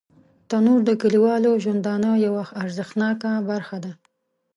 تنور د کلیوالو ژوندانه یوه ارزښتناکه برخه ده